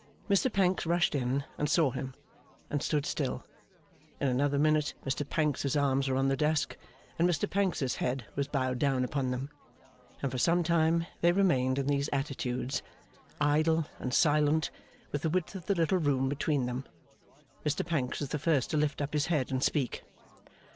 Mr Pancks rushed in and saw him, and stood still. In another minute, Mr Pancks's arms were on the desk, and Mr Pancks's head was bowed down upon them; and for some time they remained in these attitudes, idle and silent, with the width of the little room between them. Mr Pancks was the first to lift up his head and speak.